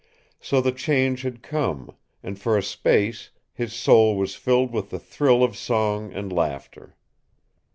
So the change had come, and for a space his soul was filled with the thrill of song and laughter.